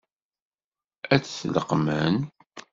Ad t-leqqmen?